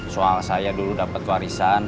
soal saya dulu dapat warisan